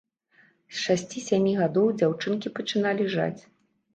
З шасці-сямі гадоў дзяўчынкі пачыналі жаць.